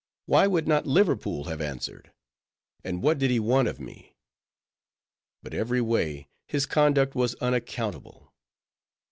—why would not Liverpool have answered? and what did he want of me? But, every way, his conduct was unaccountable.